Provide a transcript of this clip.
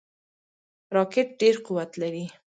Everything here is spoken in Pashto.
راکټ ډیر قوت لري